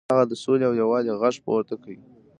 هغه د سولې او یووالي غږ پورته کړ.